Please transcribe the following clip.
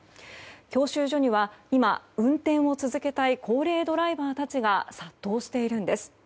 教習所には今、運転を続けたい高齢ドライバーたちが殺到しているんです。